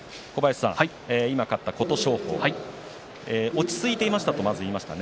今、勝った琴勝峰落ち着いていましたとまず言いました。